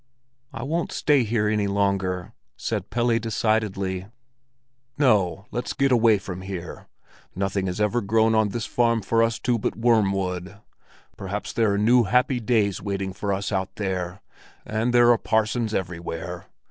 "I won't stay here any longer," said Pelle decidedly. "No, let's get away from here; nothing has ever grown on this farm for us two but wormwood. Perhaps there are new, happy days waiting for us out there; and there are parsons everywhere.